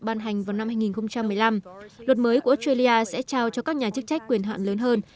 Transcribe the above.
ban hành vào năm hai nghìn một mươi năm luật mới của australia sẽ trao cho các nhà chức trách quyền hạn lớn hơn